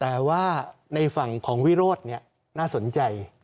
แต่ว่าในฝั่งของวิโรธน่าสนใจ